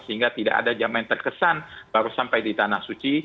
sehingga tidak ada jamaah yang terkesan baru sampai di tanah suci